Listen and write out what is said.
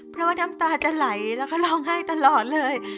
เพราะว่าน้ำตาจะไหลแล้วก็ร้องไห้ตลอดเลย